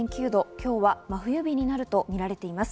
今日は真冬日になるとみられています。